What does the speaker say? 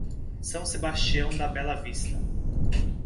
São Sebastião da Bela Vista